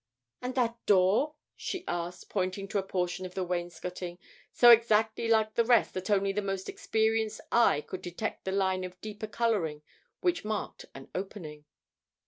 "And that door?" she asked, pointing to a portion of the wainscoting so exactly like the rest that only the most experienced eye could detect the line of deeper colour which marked an opening.